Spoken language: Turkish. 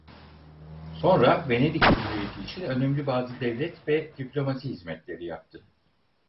Sonra Venedik Cumhuriyeti için önemli bazı devlet ve diplomasi hizmetleri yaptı.